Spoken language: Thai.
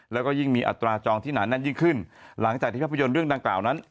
แล้วก็ยิ่งมีอัตราจองที่หนาแน่นยิ่งขึ้นหลังจากที่ภาพยนตร์เรื่องดังกล่าวนั้น